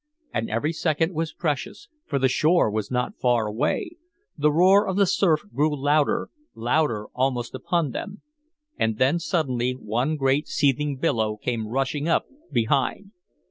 And every second was precious, for the shore was not far away; the roar of the surf grew louder louder almost upon them. And then suddenly one great seething billow came rushing up behind.